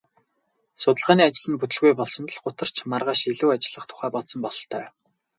Судалгааны ажил нь бүтэлгүй болсонд л гутарч маргааш илүү ажиллах тухай бодсон бололтой.